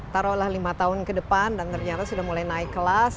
taruhlah lima tahun ke depan dan ternyata sudah mulai naik kelas